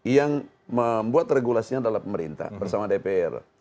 yang membuat regulasinya adalah pemerintah bersama dpr